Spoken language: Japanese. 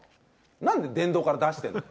なんで殿堂から出してんだよ。